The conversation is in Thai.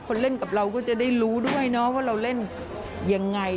เล่นกับเราก็จะได้รู้ด้วยนะว่าเราเล่นยังไง